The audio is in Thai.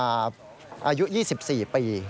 อายุ๒๔ปี